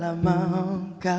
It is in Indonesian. kami akan mencoba